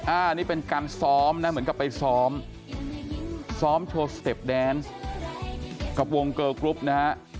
อันนี้เป็นการซ้อมนะเหมือนกับไปซ้อมซ้อมโชว์สเต็ปแดนซ์กับวงเกอร์กรุ๊ปนะฮะ